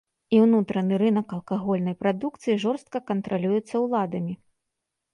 І ўнутраны рынак алкагольнай прадукцыі жорстка кантралюецца ўладамі.